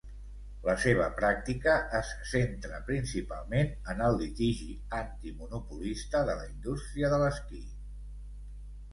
La seva pràctica es centra principalment en el litigi antimonopolista de la indústria de l'esquí.